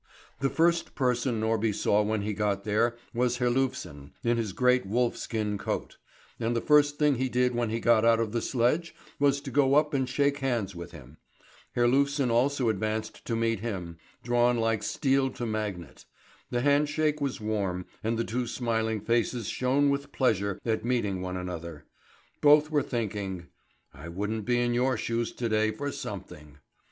The first person Norby saw when he got there was Herlufsen, in his great wolf skin coat; and the first thing he did when he got out of the sledge was to go up and shake hands with him. Herlufsen also advanced to meet him, drawn like steel to magnet. The handshake was warm, and the two smiling faces shone with pleasure at meeting one another. Both were thinking: "I wouldn't be in your shoes to day for something!"